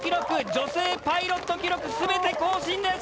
女性パイロット記録全て更新です！